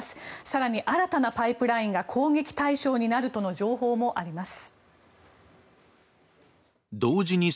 更に新たなパイプラインが攻撃対象になるとの情報もあります。